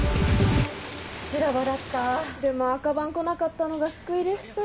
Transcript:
・修羅場だった・でも赤番来なかったのが救いでした。